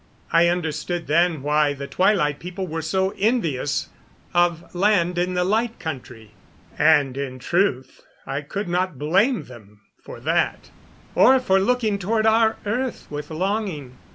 I understood then why the Twilight People were so envious of land in the Light Country; and, in truth, I could not blame them for that, or for looking toward our earth with longing.